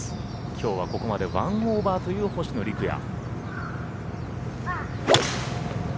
きょうはここまで１オーバーという星野陸也。